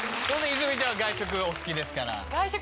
泉ちゃんは外食お好きですから。